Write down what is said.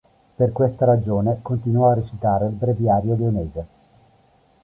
Per questa ragione continuò a recitare il Breviario lionese.